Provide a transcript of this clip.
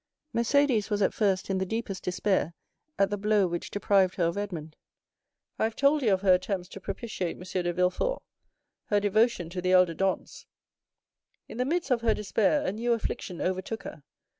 "Mercédès was at first in the deepest despair at the blow which deprived her of Edmond. I have told you of her attempts to propitiate M. de Villefort, her devotion to the elder Dantès. In the midst of her despair, a new affliction overtook her.